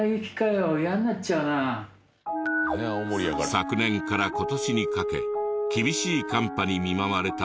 昨年から今年にかけ厳しい寒波に見舞われた青森県。